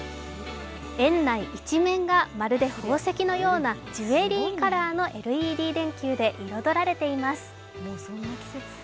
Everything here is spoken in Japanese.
園内一面がまるで宝石のようなジュエリーカラーのＬＥＤ電球で彩られています。